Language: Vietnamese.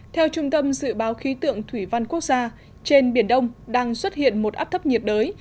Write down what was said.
theo trung tâm dự báo khí tượng thủy văn quốc gia trên biển đông đang xuất hiện một áp thấp nhiệt đới